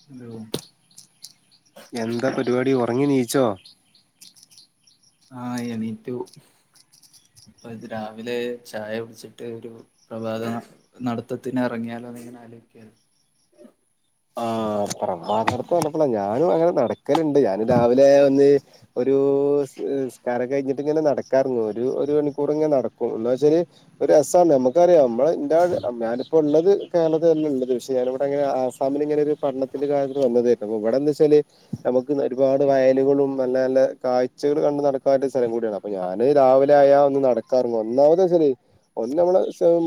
[unintelligible] എന്താ പരിപാടി ഉറങ്ങിന്നീച്ചോ ആഹ് എണീറ്റു അപ്പൊ ഇത് രാവിലെ ചായ കുടിച്ചിട്ട് ഒരു പ്രഭാതം നടത്തത്തിന് ഇറങ്ങിയാലോ എന്നിങ്ങനെ ആലോചിക്ക ആഹ് പ്രഭാത നടത്തം നടക്കണം ഞാനും അങ്ങനെ നടക്കലുണ്ട് ഞാനും രാവിലെ വന്ന് ഒരു നിസ് നിസ്കാരം കഴിഞ്ഞിട്ട് ഇങ്ങനെ നടക്കാരുന്നു ഒരു ഒരു മണിക്കൂർ ഇങ്ങനെ നടക്കും എന്ന് വെച്ചാല് ഒരു രസാ നമുക്കറിയാം നമ്മളെ ഇന്റെ ഞാനിപ്പോ ഉള്ളത് കേരളത്തിതന്നെ ഉള്ളത് പക്ഷെ ഞാനിവിടെങ്ങനെ ആസ് ഞാനി ഇങ്ങനെ ഒരു പഠനത്തിന്റെ കാര്യത്തിന് വന്നതേരുന്നു അപ്പ ഇവിടെ എന്തെന്ന് വെച്ചാല് നമുക്ക് ഒരുപാട് വയലുകളും നല്ല നല്ല കാഴ്ചകൾ കണ്ട് നടക്കാൻ പറ്റിയ സ്ഥലം കൂടിയാണ് അപ്പൊ ഞാന് രാവിലെ ആയാ ഒന്ന് നടക്കാനിറങ്ങും എന്തന്ന് വെച്ചാല് ഒന്ന് നമ്മള്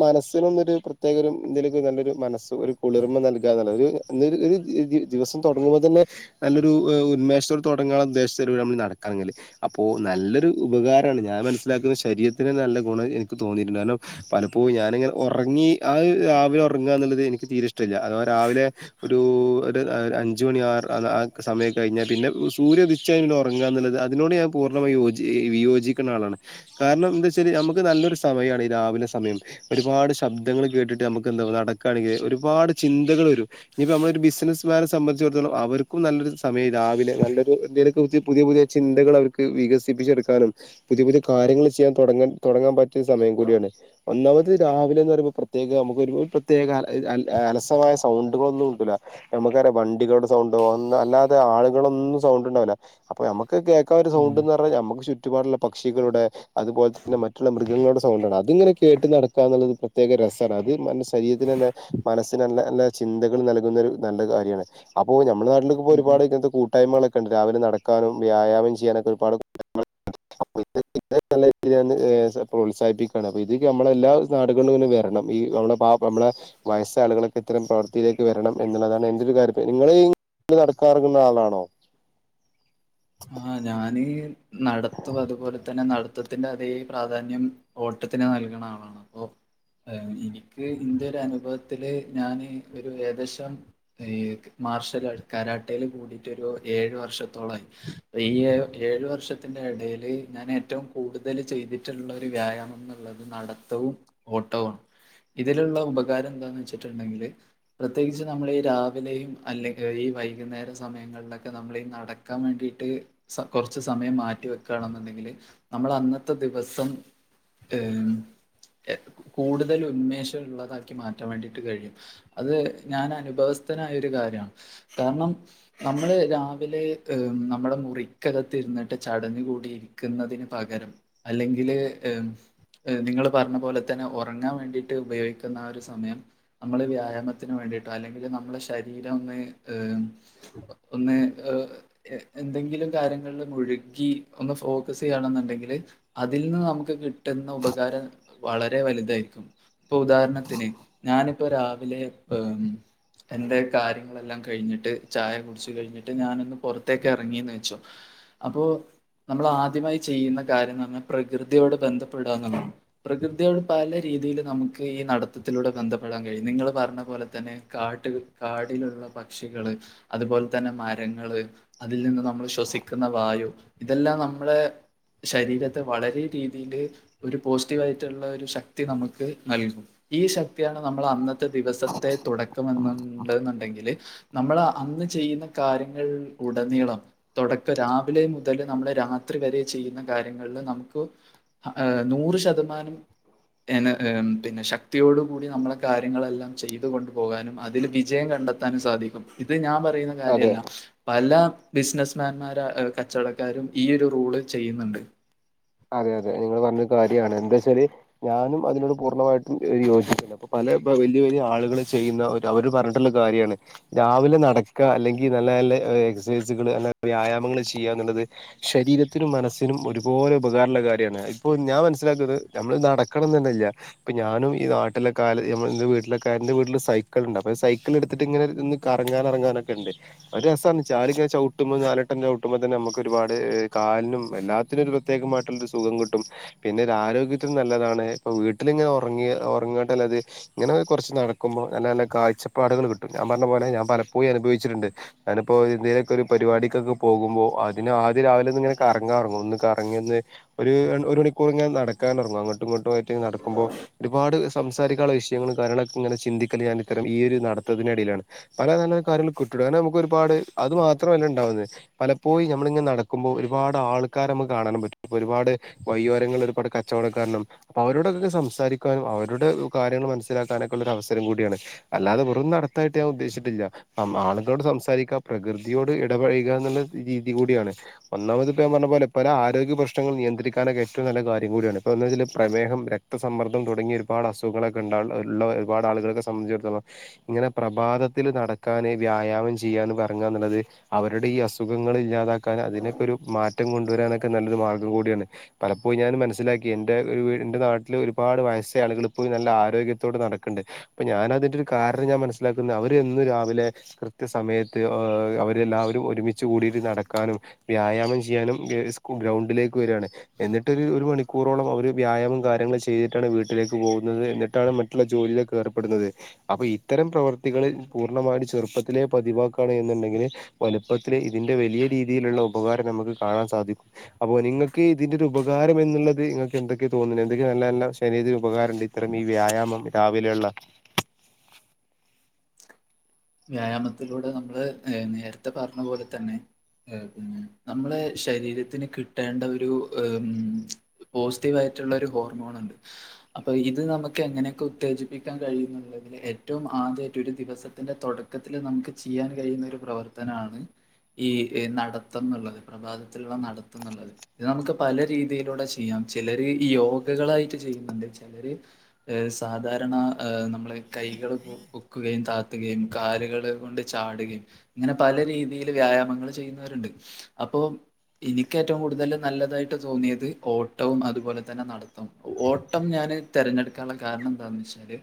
മനസ്സിനൊന്നരു പ്രത്യേക ഒരു എന്തല നല്ലൊരു മനസ് ഒരു കുളിർമ നൽകാനുള്ള ഒരു ഒരു ഒരു ദി ദിവസം തുടങ്ങുമ്പോ തന്നെ നല്ലൊരു ഉന്മേഷത്തോട് തുടങ്ങാനുള്ള ഉദ്ദേശ നമ്മള് നടക്കാനിറങ്ങല് അപ്പോ നല്ലൊരു ഉപകാരമാണ് ഞാൻ മനസ്സിലാക്കുന്ന ശരീരത്തിന് നല്ല ഗുണം എനിക്ക് തോന്നിയിട്ടുണ്ട് കാരണം പലപ്പോഴും ഞാനിങ്ങനെ ഉറങ്ങി ആഹ് രാവിലെ ഉറങ്ങുക എന്നുള്ളത് എനിക്ക് തീരെ ഇഷ്ടമല്ല അഥവാ രാവിലെ ഒരു ഒരു അഞ്ച് മണി ആറ് ആ സമയം കഴിഞ്ഞാൽ പിന്നെ സൂര്യ ഉദിച്ചതിനൽ ഉറങ്ങുക എന്നുള്ളത് അതിനോട് ഞാൻ പൂർണ്ണമായി യോജി വിയോജിക്കുന്ന ആളാണ് കാരണം എന്താ വെച്ചാല് നമുക്ക് നല്ലൊരു സമയമാണ് ഈ രാവിലെ സമയം ഒരുപാട് ശബ്ദങ്ങൾ കേട്ടിട്ട് നമുക്ക് എന്താ നടക്കുകയാണെങ്കിൽ ഒരുപാട് ചിന്തകൾ വരും ഇനിയിപ്പ നമ്മള് ഒരു ബിസിനസ്മാനെ സംബന്ധിച്ചടത്തോളം അവർക്കും നല്ലരു സമയം രാവിലെ നല്ലൊരുന്ത്യയിലൊക്കെയ പുതിയ പുതിയ ചിന്തകൾ അവർക്ക് വികസിപ്പിച്ചെടുക്കാനും പുതിയ പുതിയ കാര്യങ്ങൾ ചെയ്യാൻ തുടങ്ങൻ തുടങ്ങാൻ പറ്റ റ്റിയ സമയം കൂടിയാണ് ഒന്നാമത് ഈ രാവിലെ എന്ന് പറയുമ്പോൾ പ്രത്യേക നമുക്ക് ഒരു പ്രത്യേക അലസമായ സൗണ്ടുകളൊന്നും കിട്ടൂല നമുക്കറ വണ്ടികളുടെ സൗണ്ട് ഒന്ന് അല്ലാതെ ആളുകളൊന്നും സൗണ്ട് ഉണ്ടാവില്ല അപ്പൊ നമ്മുക്ക് കേ ക്കാ ഒരു ഉം സൗണ്ട് എന്ന് പറഞ്ഞാൽ നമുക്ക് ചുറ്റുപാടുള്ള പക്ഷികളുടെ അതുപോലെ തന്നെ മറ്റുള്ള മൃഗങ്ങളുടെ സൗണ്ടാണ് അത്ങ്ങനെ കേട്ട് നടക്കുക എന്നുള്ളത് പ്രത്യേക രസമാണ് അത് സരീരത്തിന് തന്നെ മനസ്സിന് നല്ല നല്ല ചിന്തകൾ നൽകുന്ന ഒരു നല്ല കാര്യമാണ് അപ്പോ നമ്മുടെ നാട്ടില ഇപ്പോ ഉം ഉം ഒരുപാട് ഇങ്ങനത്തെ കൂ ട്ടായ്മകളൊക്കെ ഉണ്ട് രാവിലെ നടക്കാനും വ്യായാമം ചെയ്യാനൊക്കെ ഒരുപാട് കൂട്ടായ്മകളുണ്ട് അ നല്ല ഞ പ്രോത്സാഹിപ്പിക്കുകാണ് ഇതൊക്കെ നമ്മള എല്ലാ നാടുകളിൽ വരണം ഈ നമ്മുടെ പാവ നമ്മുടെ വയസ്സാ ആളുകളൊക്കെ ഇത്തരം പ്രവ ത്തിയിലേക്ക് വരണം എന്നുള്ളതാണ് എന്റെരു കാര്യം നിങ്ങൾ നടക്കാറുള്ള ആളാണോ ആഹ് ഞാനീ നടത്തും അതുപോലെ തന്നെ നട ത്തത്തിന്റെ അതേ പ്രാധാന്യം ഓട്ടത്തിന് നൽക്ണ ആളാണ് അപ്പൊ ഏഹ് എനിക്ക് ഇന്റെ ഒരു അനുഭവത്തില് ഞാന് ഒരു ഏദേശം ഏഹ് മാർഷൽ ആയിട്ട് കരാട്ടേല് കൂടീട്ടൊരു ഏഴു വർഷത്തോളായി ഈ ഏഴു ഏഴു വർഷത്തിന്റെ എടേല് ഞാൻ ഏറ്റവും കൂടുതൽ ചെയ്തിട്ടുള്ള ഒരു വ്യായാമം എന്നുള്ളത് നട ത്തവും ഓട്ടവാണ് ഇതിലുള്ള ഉപകാരം എന്താന്ന് വെച്ചിട്ടുണ്ടെങ്കില് പ്രത്യേകിച്ച് നമ്മള് ഈ രാവിലെയും അല്ലെങ്ക ഈ വൈകുന്നേര സമയ ങ്ങളിലൊക്കെ നമ്മളീ നടക്കാൻ വേണ്ടിയിട്ട് കൊറച്ചു സമയം മാറ്റി വെക്കുകയാണെന്നുണ്ടെങ്കില് നമ്മളെ അന്നത്തെ ദിവസം ഏഹ് കൂടുതൽ ഉന്മേഷംള്ളതാക്കി മാറ്റാൻ വേണ്ടിയിട്ട് കഴിയും അത് ഞാൻ അനുഭവസ്ഥനായ ഒരു കാര്യമാണ് കാരണം നമ്മള് രാവിലെ നമ്മളെ മുറി മുറിക്കകത്തിരുന്നിട്ട് ചടഞ് കൂടി ഇരിക്കുന്നതിന് പകരം അല്ലെങ്കില് നിങ്ങൾ പറഞ്ഞ പോലെ തന്നെ ഉറങ്ങാൻ വേണ്ടിട്ട് ഉപയോഗിക്കുന്ന ആ ഒരു സമയം നമ്മള് വ്യായാമത്തിന് വേണ്ടിയിട്ടോ അല്ലെങ്കില് നമ്മളുടെ ശരീരം ഒന്ന് ഏഹ് ഒന്ന് എഹ് എന്തെങ്കിലും കാര്യങ്ങളിൽ മുഴുകി ഒന്ന് ഫോക്കസ് ചെയ്യണെന്നുണ്ടെങ്കിൽ അതിൽ നിന്ന് നമുക്ക് കിട്ടുന്ന ഉപകാരം വളരെ വലുതായ്രിക്കും ഇപ്പൊ ഉദാഹരണത്തിന് ഞാനിപ്പോ രാവിലെ ഏഹ് എന്റെ കാര്യങ്ങളെല്ലാം കഴിഞ്ഞിട്ട് ചായ കുടിച്ച് കഴിഞ്ഞിട്ട് ഞാനൊന്ന് പുറത്തേക്ക് ഇറങ്ങീന്ന് വെച്ചോ അപ്പോൊ നമ്മൾ ആദ്യമായി ചെയ്യുന്ന കാര്യം പറഞ്ഞാൽ പ്രകൃതിയോട് ബന്ധപ്പെടുക എന്നാണ് പ്രകൃതിയോട് പല രീതില് നമുക്ക് ഈ നടത്തത്തിലൂടെ ബന്ധപ്പെടാൻ കഴിയും നിങ്ങൾ പറഞ്ഞ പോലെ തന്നെ കാട് കാടിലുള്ള പക്ഷികള് അതുപോലെ തന്നെ മരങ്ങള് അതിൽ നിന്ന് നമ്മൾ ശ്വസിക്കു ശ്വാസിക്കുന്ന വായു ഇതെല്ലാം നമ്മളെ ശരീരത്തെ വളരെ രീതിയില് ഒരു പോസിറ്റീവായിട്ടുള്ള ഒരു ശക്തി നമുക്ക് നൽകും ഈ ശക്തിയാണ് നമ്മൾ അന്നത്തെ ദിവസത്തെ തുടക്കമെന്ന് ണ്ടെങ്കില് നമ്മൾ അന്ന് ചെയ്യുന്ന കാര്യങ്ങൾ ഉടനീളം തുട തുടക്കം രാവിലെ മുതല് നമ്മള് രാത്രി വരെ ചെയ്യുന്ന കാര്യങ്ങളില് നമ്മുക്ക് ഏഹ് നൂറ് ശതമാനം പിന്നെ ശക്തിയോടു കൂടി നമ്മളെ കാര്യങ്ങളെല്ലാം ചെയ്തുക കൊണ്ടു പോകാനും അതിൽ വിജയം കണ്ടത്തി കണ്ടെത്താനും സാധിക്കും ഇത് ഞാൻ പറയുന്ന അതെ കാര്യല്ല പല ബിസിനസ്മാൻമാരും കച്ചവടക്കാരും ഈ യൊരു റൂള് ചെയ്യുന്നുണ്ട് അതെ അതെ നിങ്ങൾ പറഞ്ഞൊരു കാര്യമാണ് എന്താച്ചാല് ഞാനും അതിനോട് പൂർണ്ണമായിട്ടും യോജിചപ്പാണ് അപ്പൊ പല ഇപ്പൊ വലിയ വലിയ ആളുകൾ ചെയ്യുന്ന ഒരു അവര് പറഞ്ഞിട്ടുള്ള കാര്യാണ് രാവിലെ നടക്കുക അല്ലെങ്കിൽ നല്ല നല്ല എക്സൈസുകള് അല്ല വ്യായാമങ്ങൾ ചെയ്യാ എന്നുള്ളത് ശരീരത്തിനും മനസ്സിനും ഒരുപോലെ ഉപകാരള്ള കാര്യമാണ് ഇപ്പൊ ഞാൻ മനസ്സിലാക്കത് നമ്മൾ നടക്കണംന്ന്ന്നുല്ല ഇപ്പൊ ഞാനും ഈ നാട്ടിലൊക്കായാല് നമ്മൾ വീട്ടിലൊക്കൊയാല് വീട്ടിലൊരന്റെ വീട്ടില് സൈക്കിൾ ഉണ്ട് അപ്പ സൈക്കിൾ എടുത്തിട്ട് ഇങ്ങെനെരു കറങ്ങാനൻറങ്ങാനൊക്കെണ്ട് ഒരു രസാന്ന് ചാല് ചവിട്ടുമോ നാലട്ട ചട്ടുമ്പോ തന്നെ നമുക്ക് ഒരുപാട് കാലിനും എല്ലാത്തിനും ഒരു പ്രത്യേകമായിട്ടുള്ളരു സുഖം കിട്ടും പിന്നെ ഒരു ആരോഗ്യത്തിനും നല്ലതാണ് ഇപ്പൊ വീട്ടിലിങ്ങനെ ഉറങ്ങി ഉറങ്ങണ്ടല്ലത് ഇങ്ങനെ കുറച്ച് നടക്കുമ്പോൾ നല്ല നല്ല കാഴ്പ്പാടുകൾ കിട്ടും ഞാൻ പറഞ്ഞ പോലെ ഞാ പലപ്പോഴും അനുഭവിച്ചിട്ടുണ്ട് ഞാനിപ്പോ എന്തേലൊക്കെ ഒരു പരിപാടിക്കൊക്കെ പോകുമ്പോ അതിന് ആദ്യ രാവിലെന്ന ഇങ്ങനെ കറങ്ങാറങ്ങും ഒന്ന്കറങാൻ അങ്ങനെ ഒരുരണ്ട് ഒരു മണിക്കൂർ ങ്ങനെ നടക്കാനിറങ്ങും അങ്ങോട്ടും ഇങ്ങോട്ടും ആയിട്ട് നടക്കുമ്പോ ഒരുപാട് സംസാരിക്കാനുള്ള വിഷയങ്ങളും കാര്യങ്ങളൊക്കെ ങ്ങനെ ചിന്തിക്കല് ഞാൻ ഇത്തരം ഈ ഒരു നടത്തതിനെടയിലാണ് പല നല്ല കാര്ങ്ങളും കിട്ടുട്ടൊ കാരണം നമുക്ക് രു ഒരുപാട് അത് മാത്രമല്ല ഉണ്ടാവുന്നത് പലപ്പോയി നമ്മളിങ്ങനെ നടക്കുമ്പോൾ ഒരുപാട് ആൾക്കാരമക്ക് കാണാനും പറ്റും ഒരുപാട് വയിയോരങ്ങൾ ഒരുപാട് കച്ചവടക്കാരുണ്ടാവും അപ്പൊ അവരോടൊക്കെ സംസാരിക്കാനും അവരുടെ കാര്യങ്ങൾ മനസ്സിലാക്കാനൊക്കെള്ള ഒരു അവസരം കൂടിയാണ് അല്ലാതെ വെറും നടത്തായിട്ട് ഞാൻ ഉദ്ദേശിച്ചിട്ടില്ല ആ ആളുകളോട് സംസാരിക്കാം പ്രകൃതിയോട് ഇടപഴുക എന്നുള്ള രീതി കൂടിയാണ് ഒന്നാമത് പ്പോ ഞാൻ പറഞ്ഞ പോലെ പല ആരോഗ്യ പ്രശ്നങ്ങൾ നിയന്ത്രിക്കാനൊക്കെ ഏറ്റവും നല്ല കാര്യ കൂടിയാണ് ഇപ്പോ എന്താച്ചാൽ പ്രമേഹം രക്തസമ്മർദ്ദ തുടങ്ങിയൊ ഒരു ഒരുപാട് അസുഖങ്ങളൊക്കെ ഉണ്ട് ഉള്ള ഒരുപാട് ആളുകളൊക്കെ സംബന്ധിച്ചിടത്തളം ഇങ്ങനെ പ്രഭാതത്തില്ൽ നടക്കാന് വ്യായാമം ചെയ്യാന് റങ്ങ ന്നുള്ളത് അവരുടെ ഈ അസുഖങ്ങൾ ഇല്ലാതാക്കാൻ അതിനൊക്കെ ഒരു മാറ്റം കൊണ്ടുവരാനൊക്കെ നല്ലൊരു മാർഗം കൂടിയാണ് പലപ്പോഴും ഞാന് മനസ്സിലാക്കി എന്റെ ഒരു എൻന്റെ നാട്ടില് ഒരുപാട് വയസ്സ ആളുകൾ ഇപ്പോഴും നല്ല ആരോഗ്യത്തോടെ നടക്കണ്ട് ഇപ്പൊ ഞാാനതിന്റെ ഒരു കാരണം ഞാൻ മനസ്സിലാക്കുന്നു അവരെന്നും രാവിലെ കൃത്യ സമയത്ത് അവരെല്ലാവരും ഒരുമിച്ച് കൂടിയിട്ട് അവര് നടക്കാനും വ്യായാമം ചെയ്യാനും ഗ്രൗണ്ടിലേക്ക് വരണ്. എന്നിട്ട് ഒരു മണിക്കൂറോളം അവര് വ്യായാമം കാര്യങ്ങൾ ചെയ്തിട്ടാണ് വീട്ടിലേക്ക് പോകുന്നത്, എന്നിട്ടാണ് മറ്റ ജോലിയിലൊക്കെ ഏർപ്പെടുന്നത്. അപ്പൊ ഇത്തരം പ്രവർത്തികള് പൂർണ്ണമായിട്ടയും ചെറുപ്പത്തിലെ പതിവാക്കാണ് എന്നുണ്ടെങ്കില് വലുപ്പത്തില് ഇതിന്റെ വലിയ രീതിയിലുള്ള ഉപകാരം നമുക്ക് കാണാൻ സാധിക്കും. അപ്പൊ നിങ്ങൾക്ക് ഇതിന്റെരു ഉപകാരം എന്നുള്ളത് നിങ്ങൾക്ക് എന്തൊക്കെയ തോന്നുന്നു, എന്തൊക്കെയ നല്ല നല്ല ശരീര ഉപകാരണ്ട്? അത്തരം ഈ വ്യായാമം രാവിലെയുള്ള വ്യായാമത്തിലൂടെ നമ്മള് നേരത്തെ പറഞ്ഞ പോലെ തന്നെ ആഹ് പിന്നെ നമ്മളെ ശരീരത്തിന് കിട്ടേണ്ട ഒരു പോസിറ്റീവ ആയിട്ടുള്ള ഒരു ഹോർമോൺ ഉണ്ട്. അപ്പൊ ഇത് നമുക്ക് എങ്ങനെയൊക്കെ ഉത്തേജിപ്പിക്കാൻ കഴിയുന്നുള്ളതില് ഏറ്റവും ആദ്യമായിട്ട ഒരു ദിവസം ത്തിന്റെ തുടക്കത്തില്ൽ നമുക്ക് ചെയ്യാൻ കഴിയുന്ന ഒരു പ്രവർത്തനമാണ് ഈ നടത്തുന്നുുള്ളത്, പ്രഭാതത്തിലുള്ള നടത്തുന്നുള്ളത്. ഇത് നമുക്ക് പല രീതിയിലൂടെ ചെയ്യാം, ചിലര് യോഗകളായിട്ട് ചെയ്യുന്നുണ്ട് ചിലര് സാധാരണ് നമ്മെ കൈകൾ പൊക്കുകയും ത അകത്തുകയും കാലുകൾ കൊണ്ട് ചാടുകയും ഇങ്ങനെ പല രീതിയില് വ്യായാമങ്ങൾ ചെയ്യുന്നവരുണ്ട്. അപ്പൊ എനിക്ക് ഏറ്റവും കൂടുതൽ നല്ലതായിട്ട് തോന്നിയത് ഓട്ടവും, അതുപോലെ തന്നെ നടത്തവും. ഓട്ടം ഞാാന് തിരഞ്ഞെടുക്കാനുള്ള കാരണം എന്താന്ന് വെച്ചാല്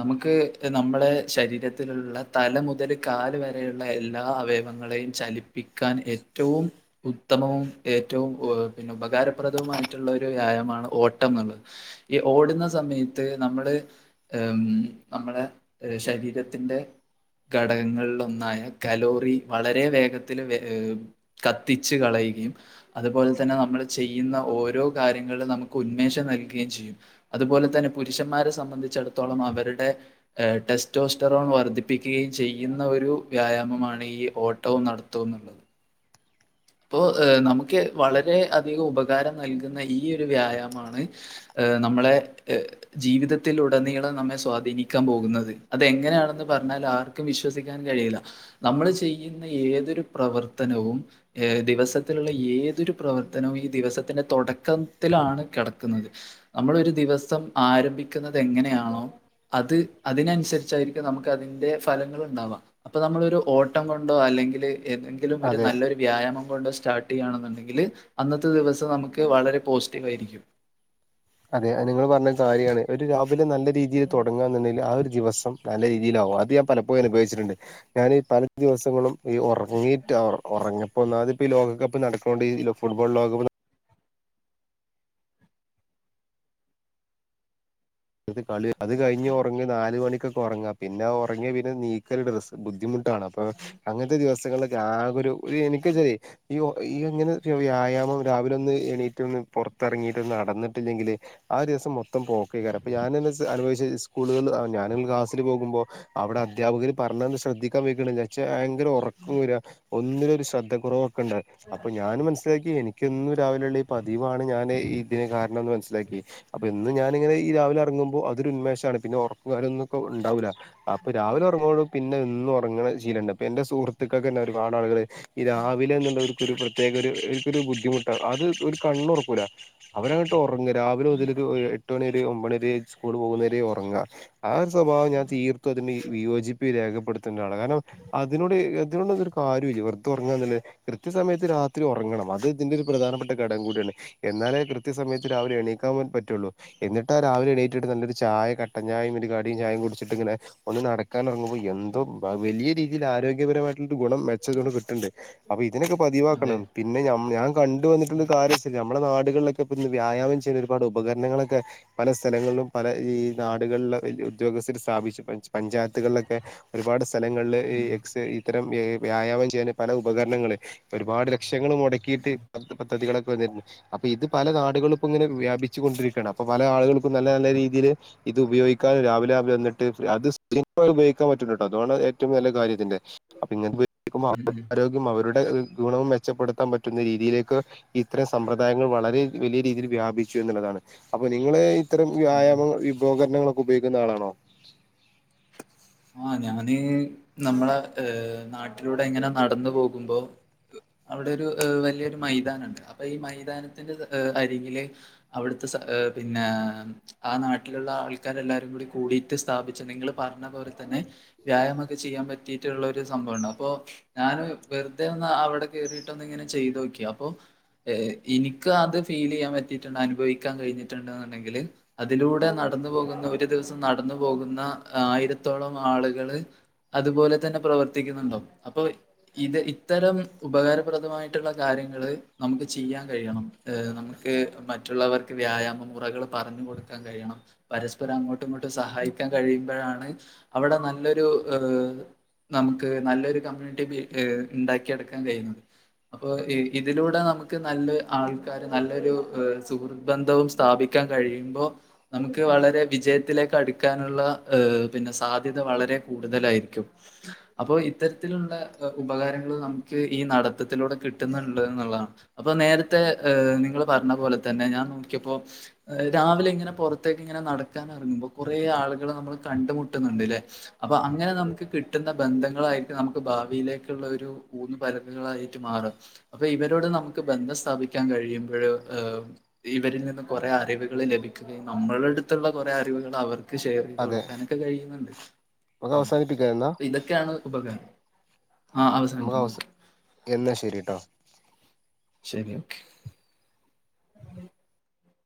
നമുക്ക് നമ്മളുടെ ശരീരത്തി ത്തിലുള്ള തല മുതൽ കാല് വരെയുള്ള എല്ലാ അവയവങ്ങളെയും ചലിപ്പിക്കാൻ ഏറ്റവും ഉത്തമവും ഏറ്റവും പിന്നെ ഉപകാരപ്രദവുമായിട്ടുള്ള ഒരു വ്യായമാണ് ഓട്ടം എന്നുള്ളത് ഈ ഓടുന്ന സമയത്ത് നമ്മള് നമ്മളെ ശരീര ത്തിന്റെ ഘടകങ്ങളിൽ ഒന്നായ കലോറി വളരെ വേഗത്തിൽ ഏ കത്തിച്ച് കളയുകയും. അതുപോലെ തന്നെ നമ്മൾ ചെയ്യുന്ന ഓരോ കാര്യങ്ങളും നമുക്ക് ഉന്മേഷം നൽകുകയും ചെയ്യും. അതുപോലെ തന്നെ പുരുഷന്മാരെ സംബന്ധിച്ചിടത്തോളം അവരുടെ ടെസ്റ്റോസ് റോൺ വർധിപ്പിക്കുകയും ചെയ്യുന്ന ഒരു വ്യായാമമാണ് ഈ ഓട്ടവും നടത്തും എന്നുള്ളത്. ഇപ്പോൊ നമുക്ക് വളരെ അധികം ഉപകാരം നൽകുന്ന ഈ ഒരു വ്യായാമമാണ് നമ്മളെ ജീവിതത്തിൽ ഉടനീളം നമ്മെ സ്വാധീനിക്കാൻ പോകുന്നത് അതെങ്ങനെയാണെന്ന് പറഞ്ഞാൽ ആർക്ക വിശ്വസിക്കാൻ കഴിയില്ല നമ്മൾ ചെയ്യുന്ന ഏതൊരു പ്രവർത്തനവും ഏ ദിവസത്തിലുള്ള ഏതൊരു പ്രവർത്തനവും ഈ ദിവസത്തിന്റെ തുടക്കത്തിലാണ് കിടക്കുന്നത് നമ്മൾ ഒരു ദിവസം ആരംഭിക്കുന്നത് എങ്ങനെയാണോ അത് അതിനനുസരിച്ചായിരിക്കും നമുക്ക് അതിന്റെ ഫലങ്ങ ഉണ്ടാവാം. അപ്പൊ നമ്മള ഒരു ഓട്ടം കൊണ്ടോ അല്ലെങ്കിൽ ഏതെങ്കിലും ഒരു അതെ നല്ലൊരു വ്യായാമം കൊണ്ട് സ്റ്റാർട്ട് ചെയ്യണെന്നുണ്ടെങ്കിൽ അന്നത്തെ ദിവസം നമുക്ക് വളരെ പോസിറ്റീവ് ആയിരിക്കും. അതെ നിങ്ങൾ പറഞ്ഞരു കാര്യാണ് ഒരു രാവിലെ നല്ല രീതിയിൽ തുടങ്ങുകന്നുണ്ടെങ്കിൽ ആഹ് ഒരു ദിവസം നല്ല രീതിയിലോ അത് ഞാൻ പലപ്പോഴും അഹ് ഉപയിച്ചിട്ടുണ്ട്. ഞാൻ പല ദിവസങ്ങളും ഈ ഉറങ്ങിയിട്ട് ഉറങ്ങിയപ്പോ ഒന്നാതിപ്പ ലോകകപ്പ് നടക്കണ്ട് ഈ ഫുട്ബോൾ ഉം. അത് കളി അത് കഴിഞ് ഉറങ്ങി നാല് മണിക്കൊക്കെ ഉറങ്ങാ, പിന്നെ ഉറങ്ങിയ പിന്നെ നീ ഒ ബുദ്ധിമുട്ടാണ് അപ്പൊ അങ്ങനത്തെ ദിവസങ്ങളിലൊക്കെ ആ ഒരു എനക്ക് ചെ ഈ ഈ എങ്ങനെ വ്യായാമം രാവിലെ ഒന്ന് എണീറ്റ ഒ പുറത്തിറങ്ങിയിട്ട് നടന്നിട്ടില്ലെങ്കില് ആ ദിവസ മൊത്തം പോക്കേ കം അപ്പൊ ഞാന അനുഭവിച്ച സ്കൂളുകൾ ഞാന ക്ലാസ്സിൽ പോകുമ്പോ അവിടെ അധ്യാപകര് പറഞ്ഞന്ന് ശ്രദ്ധിക്കാൻ വക്കണ വെച്ചാ ഭയങ്കര ഉറക്കം വരുവ ഒന്നിന ഒരു ശ്രദ്ധ കുറവ്ക്ക ഉണ്ട അപ്പൊ ഞാനും മനസ്സി മനസിലാക്കി എനിക്കൊന്നും രാവിലെള്ളേ പതിവാണ് ഞാൻ ഇതിനന് കാരണം എന്ന് മനസ്സിലാക്കി അപ്പൊ ഇന്ന് ഞാനിങ്ങനെ ഈ രാവിലെ ഇറങ്ങുമ്പോൾ അതൊരു ഉന്മേഷമാണ് പിന്നെ ഉറക്കുകാലംന്നൊക്കെ ഉണ്ടാവൂല്ല അപ്പൊ രാവിലെ ഉറങ്ങുമ്പോള് പിന്നെ എന്നും ഉറങ്ങണ ശീലുണ്ട് അപ്പൊ എന്റെ സുഹൃത്തുക്കൾക്ക തന്നെ ഒരുപാട് ആളുകള് ഈ രാവിലെ എന്നുള്ള ഒരു ഒരുപ്രത്യേകരു ബുദ്ധിമുട്ടാണ് അത് ഒരു കണ്ണുറക്കൂല അവരങ്ങോട്ട് ഉറങ്ങ രാവിലെ മുതലൊരു എട്ട് മണി വരെ ഒമ്പണി വരെ സ്കൂൾ പോകുന്നവരെ ഉറങ്ങാം ആ ഒരു സ്വഭാവം ഞാൻ തീർത്തു അതിന് വിയോജിപ്പ രേഖപ്പെടുത്തേണ്ടാണ് കാരണം അതിനോട് ഇതിനോടരു കാര്യമില്ല വെറുതെ ഉറങ്ങാന്നല്ലേ കൃത്യസമയത്ത് രാത്രി ഉറങ്ങണം അത് ഇതിന്റെ ഒരു പ്രധാനപ്പെട്ട ഘടം കൂടിയാണ് എന്നാലേ കൃത്യസമയത്ത് രാവിലെ എണീക്കാൻ പറ്റുള്ളൂ എന്നിട്ട് ആ രാവിലെ എണീറ്റെട്ട് നല്ലരു ചായ കട്ടൻ ചായയും ഒരു കടിയും ചായയും കുടിച്ചിട്ട് ഇങ്ങെ ഒന്ന് നടക്കാൻ ഇറങ്ങ അ എന്തോ വലിയ രീതിയിൽ ആരോഗ്യപരമായിട്ട ഗുണം മെച്ച ഗുണം കിട്ടുന്നുണ്ട് അപ്പൊ ഇതിനൊക്കെ അതെ പതിവാക്കണം പിന്നെ ഞ ഞാൻ കണ്ടുവന്നിട്ടുള്ളരു കാര്യവരില്ല നമ്മുടെ നാടുകളിലൊക്കെ ഇൾ ഇന്ന് വ്യായാമം ചെയ്യുന്ന ഒരുപാട് ഉപകരണങ്ങളൊക്കെ പല സ്ഥലങ്ങളിലും പല ഈ നാടുകളില ഉദ്യോഗസ്ഥർ സ്ഥാപിച്ചു പഞ്ചായത്തുകളിലൊക്കെ ഒരുപാട് സ്ഥലങ്ങളിൽ ഈ എക് ത്തരം വ്യായാമം ചെയ്യുന്ന പല ഉപകരണങ്ങള് ഒരുപാട് ലക്ഷങ്ങള് മുടക്കിയിട്ട് പദ്ധതികളൊക്കെ വന്നിരുന്നു അപ്പൊ ഇത് പല നാടുകളും ഇപ്പോ ഇങ്ങനെ വ്യാപിച്ചു കൊണ്ടിരിക്ക അപ്പൊ പല ആളുകൾക്കും നല്ല നല്ല രീതിയില് ഇത് ഉപയോഗിക്കാനും രാവിലെ രാവിലെ വന്നിട്ട് അത് ഉപോഗിക്കാൻ പറ്റുന്നു കേട്ടോ അതാണ് ഏറ്റവും നല്ല കാര്യത്തിന്റെ അപ്പൊ ഇങ്ങനുമ്പോ ഉം അവരുടെ ഉം ആരോഗ്യം അവരുടെ ഗുണവും മെച്ചപ്പെടുത്താൻ പറ്റുന്ന രീതിയിലേക്ക് ഇത്തരം സമ്പ്രദായങ്ങൾ വളരെ വലിയ രീതിയിൽ വ്യാപിച്ചു എന്നുള്ളതാണ് അപ്പൊ നിങ്ങള് ഇത്തരം വ്യായാമ ഉപകരണങ്ങളൊക്കെ ഉപയോഗിക്കുന്ന ആളാണോ ആ ഞാനീ നമ്മളെ ഏ നാട്ടിലൂടെ എങ്ങനെ നടന്നു പോകുമ്പോ അവിടെ ഒരു വലിയൊരു മൈതാനുണ്ട് അപ്പൊ ഈ മൈതാനത്തിന്റെ അരികില് അവിടുത്തെ പിന്നെ ആ നാട്ടിലുള്ള ആൾക്കർ എല്ലാരും കൂടി കൂടിട്ട് സ്ഥാപിച്ചു നിങ്ങള് പറഞ്ഞ പോല തന്നെ വ്യായാമൊക്കെ ചെയ്യാൻ പറ്റിയിട്ടുള്ള ഒരു സംഭവുണ്ട് അപ്പോ ഞാന് വെറുതെ ഒന്ന് അവിടെ കേയറിയിട്ട ഒന്ന് ഇങ്ങനെ ചെയ്തോക്കിയാ അപ്പൊ എനിക്ക് അത് ഫീൽ ചെയ്യാൻ പറ്റിയിട്ടുണ്ട് അനുഭവിക്കാൻ കഴിഞ്ഞിട്ടുണ്ട് എന്നുണ്ടെങ്കിൽ അതിലൂടെ നടന്നു പോകുന്ന ഒരു ദിവസം നടന്നു പോകുന്ന ആയിരത്തോളം ആളുകള് അതുപോലെ തന്നെ പ്രവർത്തിക്കുന്നുണ്ടോ അപ്പൊ ഇത് ഇത്തരം ഉപകാരപ്രദമായിട്ടുള്ള കാര്യങ്ങള് നമുക്ക് ചെയ്യാൻ കഴിയണം നമുക്ക് മറ്റുള്ളവർക്ക് വ്യായാമ മുറകൾ പറഞ്ഞു കൊടുക്കാൻ കഴിയണം പരസ്പരം അങ്ങോട്ടും ഇങ്ങോട്ടും സഹായിക്കാൻ കഴിയുമ്പോഴാണ് അവിടെ നല്ലൊരു ഏ നമുക്ക് നല്ലൊരു കമ്മ്യൂണിറ്റി ഉണ്ടാക്കി എടുക്കാൻ കഴിയുന്നത് അപ്പൊ ഇതിലൂടെ നമുക്ക് നല്ല ആൾക്കർ നല്ലൊരു സുഹൃത്ത്ബന്ധവും സ്ഥാപിക്കാൻ കഴിയുമ്പോ നമുക്ക് വളരെ വിജയത്തിലേക്ക് അടുക്കാനുള്ള ഹ പിന്നെ സാധ്യത വളരെ കൂടുതലായിരിക്കും അപ്പൊ ഇത്തരത്തിലുള്ള ഉപകാരങ്ങൾ നമുക്ക് ഈ നടത്തത്തിലൂടെ കിട്ടുന്നുണ്ട് എന്നുള്ളതാണ് അപ്പൊ നേരത്തെ നിങ്ങൾ പറഞ്ഞ പോലെ തന്നെ ഞാൻ നോക്കിയപ്പോ രാവിലെ ഇങ്ങനെ പുറത്തേക്ക് ഇങ്ങനെ നടക്കാൻ ഇറങ്ങുമ്പോ കുറേ ആളുകളെ നമ്മൾ കണ്ടുമുട്ടുന്നുണ്ട്ല്ലേ അപ്പൊ അങ്ങനെ നമുക്ക് കിട്ടുന്ന ബന്ധങ്ങളായിരിക്കും നമുക്ക് ഭാവിയിലേക്കുള്ള ഒരു ഊന്ന് പരക്കുകളായി ട്ട് മാറഅപ്പൊ ഇവരോട് നമുക്ക് ബന്ധം സ്ഥാപിക്കാൻ കഴിയുമ്പോഴ് ഇവരിൽ നിന്ന് കുറെേ അറിവുകൾ ലഭിക്കുകയും നമ്മള അടുത്തുള്ള കുറെ അറിവുകൾ അവർക്ക് ഷെയർ ചെയ്ത് അതെ കൊടുക്കാനൊക്കെ കഴിയുന്നുണ്ട് നമുക്ക് അവസാനിപ്പിക്കാം എന്നാ ഇതൊ ണ് ഉപകാരം ആഹ അവസാനിപ്പിക്ക എന്ന ശരീട്ടോ ശെരി ഓക്കെ